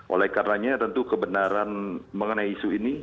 oleh karenanya tentu kebenaran mengenai isu ini